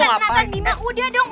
nathan bima udah dong